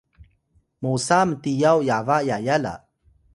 mosa mtiyaw yaba yaya la